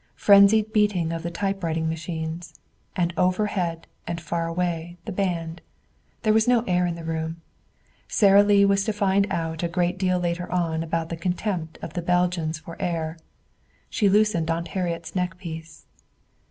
Frenzied beating of the typewriting machines, and overhead and far away the band. There was no air in the room. Sara Lee was to find out a great deal later on about the contempt of the Belgians for air. She loosened Aunt Harriet's neckpiece.